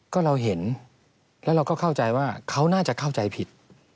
ก็เราเห็นแล้วเราก็เข้าใจว่าเขาน่าจะเข้าใจผิด